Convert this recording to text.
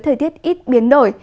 thời tiết ít biến đổi